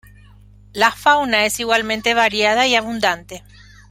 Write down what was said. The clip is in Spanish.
La fauna es igualmente variada y abundante.